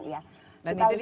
dan itu dijalankan ya